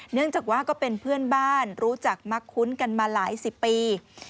เนื่องจากว่าก็เป็นเพื่อนบ้านรู้จักมักคุ้นกันมาหลายสิบปี